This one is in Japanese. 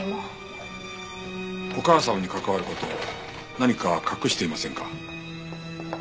お母様に関わる事を何か隠していませんか？